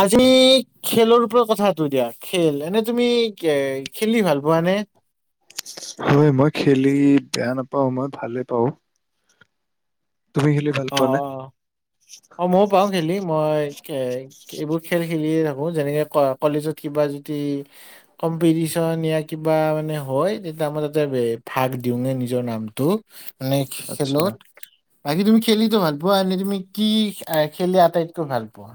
আজি খেলৰ পৰা কথাটো দিয়া খেল। এনে তুমি কে খেলি ভাল পোৱা নে? হয়, মই খেলি বেয়া নাপাওঁ মই ভালে পাওঁ। তুমি খেলি ভাল অ', পোৱা নে? অ', অ', ময়ো পাওঁ খেলি মই এ এইবোৰ খেল খেলিয়ে থাকো যেনেকে কলেজত কিবা যদি কম্পিটিচন য়া কিবা মানে হয় তেতিয়া মানে তাতে ভাগ দিওঁ নে নিজৰ নামটো মান আচ্ছা। খেলত বাকি তুমি কি খেলিটো ভাল পোৱায়েই এনে তুমি কি খেলি আটাইতকৈ ভাল পোৱা?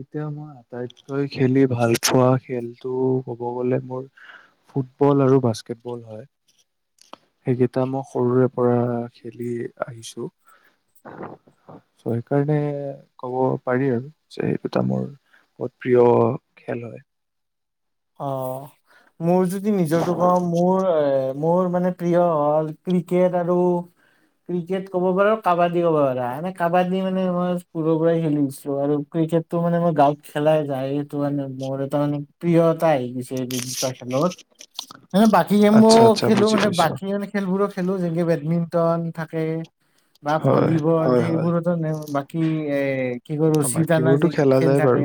এতিয়া মই আটাইতকৈ খেলি ভাল পোৱা খেলটো কব গলে মোৰ ফুটবল আৰু বাস্কেটবল হয়। সেইকেইটা মই সৰুৰে পৰা খেলি আহিছো সেইকাৰণে কব পাৰি আৰু। যে, এই দুটা মোৰ বহুত প্ৰিয় খেল হয়। অ'। মোৰ যদি নিজটো কওঁ মোৰ এ মোৰ মানে প্ৰিয় হ'ল ক্ৰিকেট আৰু ক্ৰিকেট ক'ব পাৰো কাবাডী। কি হব আৰু আমি কাবাদী মানে মই স্কুলৰ পৰাই খেলিছো আৰু ক্ৰিকেটটো মানে মই গাঁৱত খেলাই যায় সেইটো মানে মোৰ এটা মানে প্ৰিয় এটা আহি গৈছে দুটা খেলত মানে বাকী গেম আচ্ছা বোৰো আচ্ছা খেলো বুজি মানে পাইছোঁ। বাকী এনে খেলবোৰো খেলো যেনেকে বেডমিন্টন। [unintelligible] থাকে। বা হয়, ভলীবল হয় হয়। সেইবোৰতো ন বাকী এ কি কয় ৰছী টানা বাকীবোৰতো যে খেলা খেল যায় থাকে বাৰু।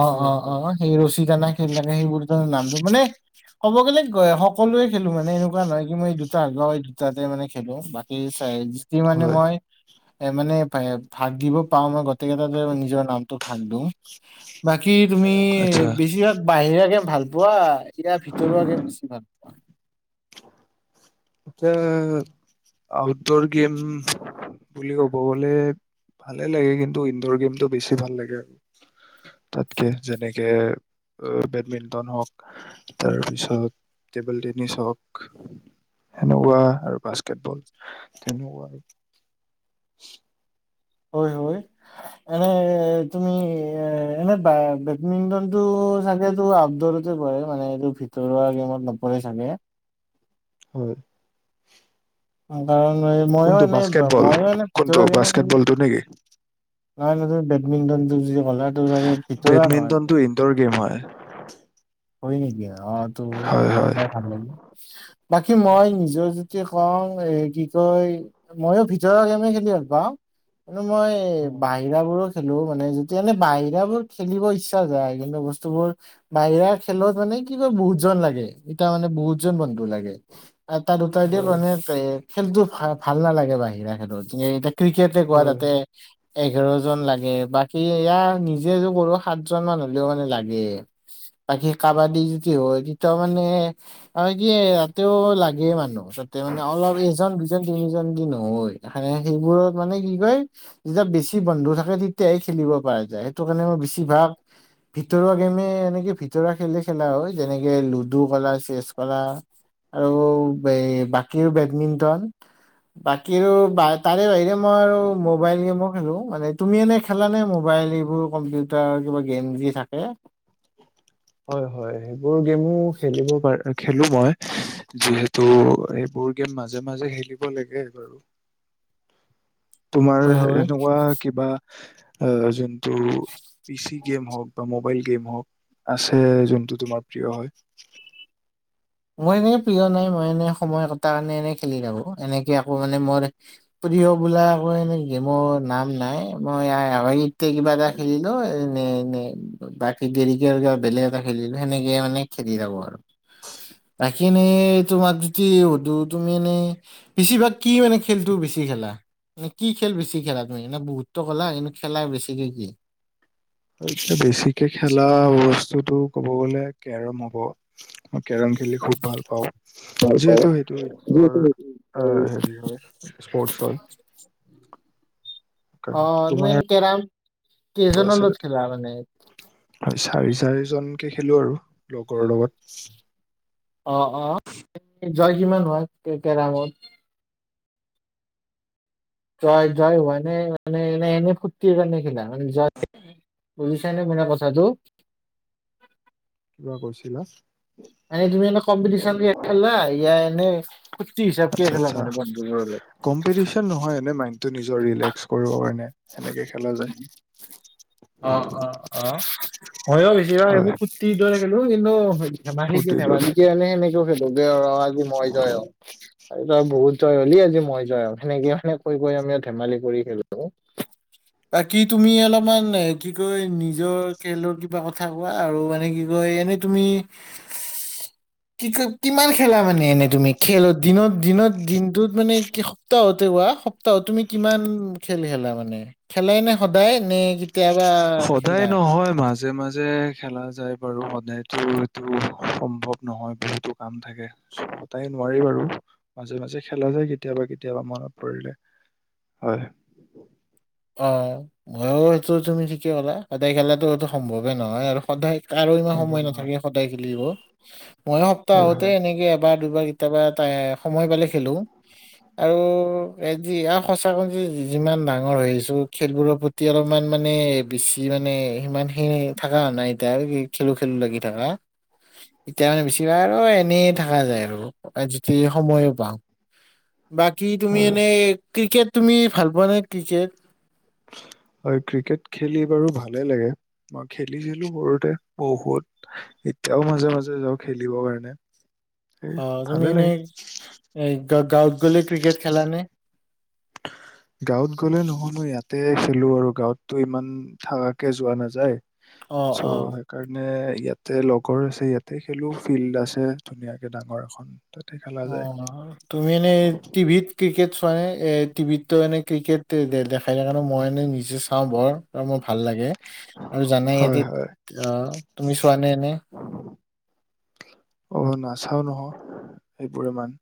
অ' হয় হয়। অ'অ সেই ৰছী টানা। [unintelligible] ক'ব গেলে কি কয় সকলোৱে খেলো মানে এনেকুৱা নহয় যে মই দুটা এই দুটাতে মানে খেলো বাকী চাই যিমানে হয়, মই এ মানে ভাগ দিব পাৰু মই গোটেইকেইটাতে নিজৰ নামটো ভাগ দিওঁ। বাকী তুমি আচ্ছা। বেছিভাগ, াকে ভাল পোৱা। এতিয়া ভিতৰুৱাকে বেছি ভাল পাওঁ। এতিয়া আউটডোৰ গেম বুলি ক'ব গলে ভালে লাগে কিন্তু ইনডোৰ গেমটো বেছি ভাল লাগে আৰু তাতকে যেনেকে বেডমিণ্টন হওঁক। তাৰপিছত, টেবুল টেনিছ হওঁক সেনেকুৱা আৰু বাস্কেটবল তেনেকুৱা আৰু। হয়, হয়, এনে তুমি এনে বেডমিণ্টনটো চাগেটো আউটডৰতে পৰে মানে এইটো ভিতৰুৱা গেমত নপৰে চাগে। হয়। [unintelligible] মইও কোনটো এনে বাস্কেটবল, মইও এনে কোনটো ভিতৰুৱা গেমে খেলি বাস্কেটবলটো নেকি। নহয় নহয় বেডমিন্টন বেডমিন্টনটো ইনডৰ গেম হয়। [inaudible] হয় নেকি। অ' তো' হয় গম হয় পাই ভাল লাগিল বাকী মই নিজৰ যি কি কওঁ এ কি কয় ময়ো ভিতৰুৱা গেমে খেলি ভাল পাওঁ। মই অ বাহিৰা বোৰো খেলো মানে, যেতিয়া এনে বাহিৰা বোৰ খেলিব ইচ্ছা যায় কিন্তু বস্তুবোৰ বাহিৰা খেলত মানে কি কয় বহুতজন লাগে তেতিয়া মানে বহুতজন বন্ধু লাগে। এটা দুটাই দি হয় মানে এ খেলতো ভাল নালাগে মানে। [unintelligible] ক্ৰিকেট কোৱা হয় তাতে। এঘাৰ জন লাগে, বাকী এয়া নিজে যি কৰো সাতঁজনমান হলেওঁ মানে লাগে। বাকী কাবাডী যদি হয় তেতিয়াও মানে আৰু কি তাতেও লাগে মানুহ। তাৰিছতে মানে অলপ এজন দুজন তিনিজন দি নহয় সেইবোৰত মানে কি কয় যেতিয়া বেছি বন্ধু থাকে তেতিয়াই খেলিব পৰা যায় সেইটো কাৰণে মই বেছি ভাগ ভিতৰুৱা গেমে এনেকে খ খেলা হয় যেনেকে লুডু কলা চেছ কৰালা আৰু বাকী বেডমিণ্টন বাকীো তাৰে বাহিৰে আমাৰ আৰু মোবাইল গেম হেললো মানে তুমি এনে খেলাানে মোবাইল এইবোৰ কম্পিউটাৰ কিবা গেম যি থাকে হয় হয় সেইবোৰ গেমো খেলিব পাৰ খেলো মই যিহেতু এইবোৰ গেম মাজে মাজে খেলিব লাগে বাৰু তোমাৰ হয় হয় এনেকুৱা কিবা অজ ত পি চি গেম হওক বা মোবাইল গেম হওঁক আছে যোনটো তোমাৰ প্ৰিয় হয় মই এনেকে প্ৰিয় নাই মই এনে সময় কটাৰ কাৰণে এনেই খেলি থাকো এনেকে আকৌ মানে মোৰ প্ৰিয় বোলা আৌ এনে গেমৰ নাম নাই মই কিবা এটা খেলিলো এনে বৰি ক বেলেগ এটা খেলিলো সেনেকে মানে খেলি থখো আৰু বাকী এনেই তোমাক যদি সুধো তুমি এনে বেছিভাগ কি মানে খেলটো বেছি খেলা মানে কি খেল বেছি খেলা তুমি এ বহুত্ব কলা কিন্তু খেলা বেছিকে কি এতিয়া বেছিকে খেলা বস্তু টো ক'ব গলে কেৰম হ'ব কেৰম খেলি খুব ভাল পাওঁ যিহেতু সেইটো ইনডৰ হেৰি হয় স্পৰ্টছ হয় অ সেইকাৰণে তোমাৰ ননে কেৰাম কেইজন আছে লত তাতে? খেলা মানে হয়, চাৰি চাৰিজনকে খেলো আৰু লগৰৰ লগত অ অ জয় কিমান হোৱা কেৰামত জয় জয় ানে মানে এনে এনেই ফুুৰ্তিকাৰে খিলা মান জ বুজিছেনে ম কথাটো কিবা কৈছিলা আ তুমি এনে কম্পিটিশন খেলল ই এনে ফূৰ্তি হিচাপকে আচ্ছা খেলা আচ্ছা মানে বন্ধুবোৰৰ লগত কম্পিটিচন নহয় এনে মাই নিজৰ ৰিলেক্স কৰিবৰ কাৰণে সেনেকে খেলা যায় অ অ অ হয় হয়য়ো বেছি বাা হয় এইবোৰ পুুৰ্তি দৰে ইন হ ধেমালিে ফূৰ্তিৰ দৰে ধেমাজিে এনে সেনেকও খেলোগে আৰু আজি মই যায় আৰু তই বহুত জয় হ'লি আজি মই জয় হম সেনেকে মানে কৈ কৈ আমি ধেমি কৰি খেলো তাক কি তুমি অলপমান কি কয় নিজৰ খেলৰ কিবা কথা কোৱা আৰু মানে কি কয় এনে তুমি কি ক কিমান খেলা মানে এনে তুমি খেলত দিনত দিনত দিনটোত মানে কি সপ্তাহতে কোৱা সপ্তাহত তুমি কিমান খেল খেলা মানে খেলাই নে সদায় নে কেতিয়াবা সদায় খেলা নহয় মাজে মাজে খেলা যায় বাৰু সদায় টো এইটো সম্ভৱ নহয় বহুতো কাম থাকে, চ সদায় নোৱাৰি বাৰু, মাজে মাজে খেলা যায় কেতিয়াবা কেতিয়াবা মনত পৰিলে। হয় অ মইটো সেইটো তুমি ঠিকে ক'লা সদায় খেলাটো এইটো সম্ভৱে নহয় আৰু সদায় কাৰো ইমান সম্ভৱ সময় নহয় নাথাকে সদায় খেলিব মই হয় সপ্তাহতে হয় এনেকে এবাৰ দুবাৰ কেতিয়াবা তা সময় পালে খেলো। আৰু এ যি আও সঁচাকৈ যি যিমান ডাঙৰ হৈ খেলবোৰৰ প্ৰতি অলপমান মানে বেছি মানে সিমান সেই থকা নাই এতিয়া আৰু কি খেলো খেলো লাগি এতিয়া মানে বেছিভাগ আৰু এনেই থকা যায় আৰু যতি সময়ো পাওঁ বাকী তুমি হয় এনে ক্ৰিকেট তুমি ভাল পোৱা নে ক্ৰিকেট হয় ক্ৰিকেট খেলি বাৰু ভালে লাগে। মই খেলিছিলো সৰুতে, বহুত এতিয়াও মাজে মাজে যাওঁ খেলিবৰ কাৰণে সেই অ তুমি ভালে লাগে এনেই এ গাঁৱত গলে ক্ৰিকেট খেলা নে? গাঁৱত গলে নহুনো ইয়াতে খেলো আৰু গাঁৱততো ইমান থাকাকে যোৱা নাযায় অ চ অ সেইকাৰণে ইয়াতে লগৰ আছে ইয়াতে খেলো, ফিল্ড আছে ধুনীয়াকে ডাঙৰ এখন তাতে খেলা অ যায় তুমি এনে টিভিত ক্ৰিকেট মানে এ টিভিতো এনে ক্ৰিকেট দেখাই কাৰণ মই এনে নি- চাওঁ বৰ আৰু মোৰ ভাল লাগে আৰু জানাই হয় ইয়াতে হয় আহ তুমি চোৱা নে এনে অ নাচাও নহয় এইবোৰ ইমান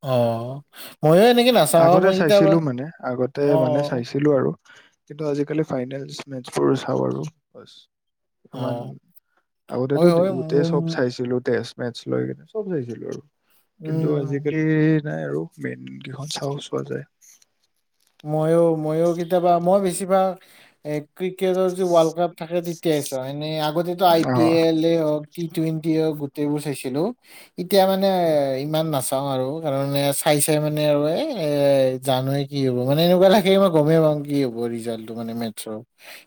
অ ময়ো এনেকে নাচাও আগতে মই কেতিয়াবা চাইছিলো মানে আগতে অ মানে চাইছিলো আৰু কিন্তু আজিকালি ফাইনেল মেচ বোৰ চাওঁ আৰু, বছ ইমান অ আগতেটো হয় হয় গোটেই উম চব চাইছিলো তেজ মেটছ লৈ কিনে চব চাইছিলো আৰু কিন্তু উম আজিকালি নাই আৰু মেইন গিহত চাওচোৱা যায় মইও মইও কেতিয়াবা মই বেছিভাগ এ ক্ৰিকেটৰ যি ৱাৰ্ল্ড কাপ থাকে কেছ এনে আগতেটো আই অ পি হয় এলে এ হওক টুৱেন্টি অ গোটেইবোৰ চাইছিলো এতিয়া মানে ইমান নাচাও আৰু কাৰ চাই চাই মানে আৰু এ এ জানুৱাৰী কি হব মানে এনেকুৱা থাকে মই গমেই পাওঁ কি হব ৰিজাল্টটো মানে মে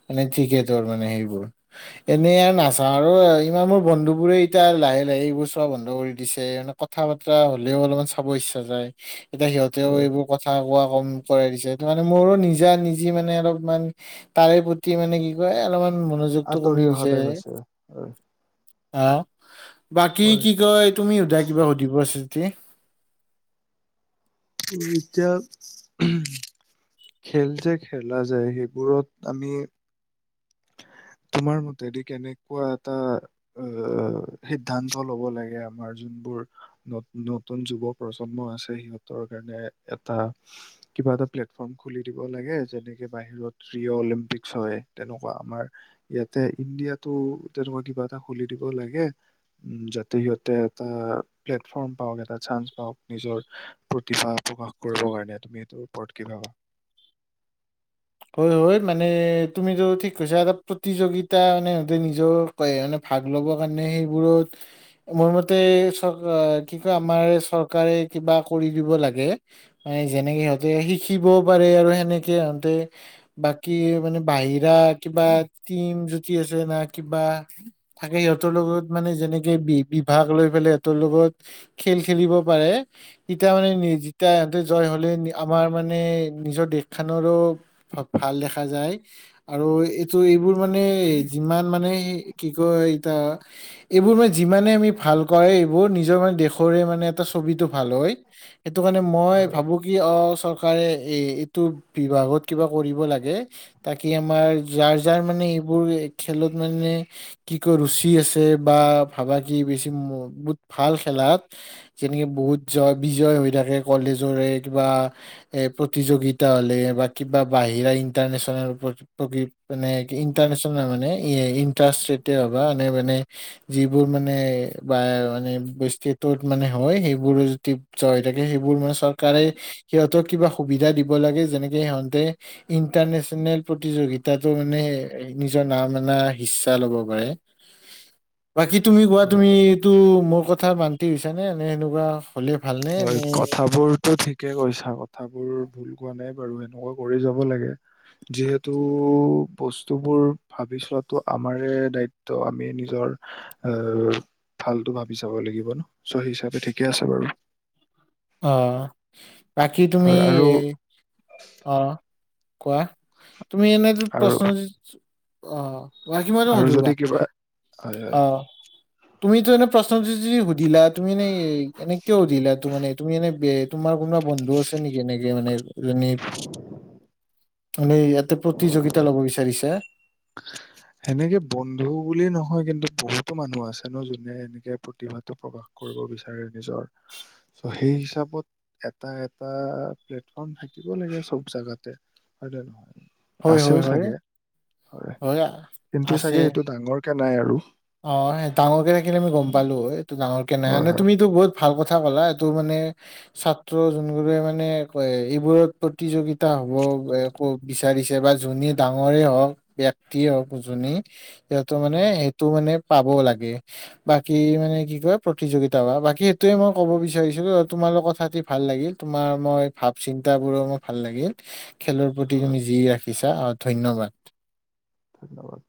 মানে মেটছৰ, ক্ৰিকেটৰ মানে সেইবোৰ এনেই আৰু নাচাও আৰু ইমান মোৰ বন্ধু বোৰে এতিয়া লাহে লাহে এইবোৰ চোৱা বন্ধ কৰি দিছে। মে কথা বাতৰা হলেও অলপমান চাব ইচ্ছা যায় এতিয়া সিহঁতেও হয় এইবোৰ কথা কোৱা অম কৰাই দিছে এইটো মানে মোৰো নিজা নিজি মানে অলপমান তাৰে প্ৰতি মানে কি কয় অলপমান মনোযোগটো আঁতৰি অহা কমিছে টাইম হৈছে হয় অ' বাকী হয় কি কয়। তুমি সোদাই কিবা সুধিব আছে যে এতিয়া খেল যে খেলা যায় সেইবোৰত আমি। তোমাৰ মতেদি কেনেকুৱা এটা আহ সিদ্ধান্ত লব লাগে আমাৰ যোনবোৰ নতুন যুৱ প্ৰজন্ম আছে সিহঁতৰ কাৰণে এটা কিবা এটা প্লেটফৰ্ম খুলি দিব লাগে যেনেকে বাহিৰত অ অলিম্পিক হয় তেনেকুৱা আমাৰ ইয়াতে ইণ্ডিয়াটো তেনেকুৱা কিবা এটা খুলি দিব লাগে উ যাতে সিহঁতে এটা প্লেটফৰ্ম পাওক এটা চান্স পাওক নিজৰ প্ৰতিভা প্ৰকাশ কৰিব কাৰণে তুমি এইটোৰ ওপৰত ক ভাবা হয় হয় মানে তুমিতটো ঠিক কৈছা এটা প্ৰতিযোগিতা মানে সহঁতে নিজৰ মানে ভাগ ল'ব কাৰণে সেইবোৰত মোৰ মতে চৰ কি কয় আমাৰ চৰকাৰে কিবা কৰি দিব লাগে মান যেনেকে সিহঁতে শিকিবও পাৰে আৰু সেনেকে সহঁতে বাকী মানে বাহিৰা কিবা টিম যুতি আছে না কিবা থাকে সিহঁতৰ লগত মানে যেনেকে বি বিভাগ লৈ পেলাই সিহঁতৰ লগত খেল খেলিব পাৰে তেতিয়া মানে যেতিয়া সহঁতে জয় হলে আমাৰ মানে নিজৰ দেশ খানৰো আৰু ভাল দেখা যায় আৰু এইটো এইবোৰ মানে যিমান মানে কি ক এটিয়া এইবোৰ মানে যিমানে আমি ভাল কৰে এইবোৰ নি নিজৰ মানে দেশৰে মানে টো ভ হয় সেইটো কাৰ মই হয় ভাবো কি চৰকাৰে এইটো বিভাগত। কিবা কৰিব লাগে তাকে আমাৰ যাৰ যাৰ মানে এইবোৰ খেলত মানে কি ক ৰুচি আছে বা ভাবা বেছি বহুত ভাল। খেলাত যেনেকৈ বহুত জয় বিজয় হৈ থাকে কলেজৰে কিবা প্ৰতিযোগিতা হ'লে বা কিবা বাহিৰা ইণ্টাৰনেশ্যনেল প্ৰক মানে ইণ্টাৰনেচনেল মানে ইণ্টাৰষ্ট্ৰেট হবা মানে মানে যিবোৰ মানে বা মানে ষ্টেটত মানে হয় সেইবোৰ য হৈ থাকে সেইবোৰ মানে চৰকাৰে সিহঁতক কিবা সুবিধা দিব লাগে যেনেকে সিহ ইণ্টাৰনেচনেল প্ৰতিযোগিতা তাটো মানে নিজৰ নাম এনা সিচ্ছা ল'ব পাৰে বাকী তুমি কোৱা হয় তুমি এইটো মোৰ কথা কথা মান্তি হৈছে নে এনে সেনেকুৱা হ'লে ভালনে হয় নে কথাবোৰতো ঠিকে কৈছা কথাবোৰ ভুল হোৱা নাই বাৰু এনেকুৱা কৰি যাব লাগে যিহেতু বস্তুবোৰ ভাবি চোৱটো আমাৰে দায়িত্ব আমি নিজৰ আহ ভালতো ভাবি চাব লাগিব ন চ সেই হিচাপে ঠিকে আছে বাৰু অ বাকি তুমি হয় আৰু অ কোৱা তুমি এনে আৰু প্ৰশ্ন অ ব কিমান য আৰু ত বা যদি কিবা হয় হয় আহ তুমি ত এনে প্ৰশ্ন সুধিলাত তুমি নে এনে কিয় সুধিলা তো মানে তোমাৰ কোনোবা বন্ধু আছে নেকি এনেকে মানে ৰণীত মানে ইয়াতে প্ৰতিযোগিতা ল'ব বিচাৰিছে। সেনেকে বন্ধু বুলি নহয় কিন্তু বহুতো মানুহ আছে ন যোনে এনেকে প্ৰতিভা। টো প্ৰকাশ কৰিব বিচাৰে নিজৰ। চ'সেই হিচাপত এটা, এটা প্লেটফৰ্ম থাকিব লাগে চব জাগাতে হয় নে নহয়। হয় আছেও হয় হয় চাগে। হয়, কিন্তু আছে চাগে সেইটো ডাঙৰ। কে নাই আৰু। অ' ডাঙৰকে থাকিলে আমি গম উম, পালো হয় কিন্তু ডাঙৰ কে নাই হয় এনে হয় তুমিতো বহুত ভাল কথা কথা কলা, এইটো মানে ছাত্ৰ যোনবোৰে মানে এইবোৰত প্ৰতিযোগিতা হব ক বিচাৰিছে বা যোনে ডাঙৰে হওক ব্যক্তিয়ে হওক যোনে। এইতো উম, মানে মানে পাব লাগে, বাকী মানে কি কয় প্ৰতিযোগিতা বা বাকী সেইটোয়ে মই কব বিচাৰিছো তোমাৰ কথাতি ভাল লাগিল তোমাৰ মই ভাৱ চিন্তা বোৰো মোৰ ভাল লাগিল। খেলৰ প্ৰতি হয় তুমি যি ৰাখিছা। ধন্যবাদ। ধন্যবাদ।